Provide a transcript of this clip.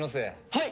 はい！